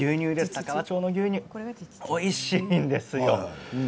佐川町の牛乳、おいしいんですよ。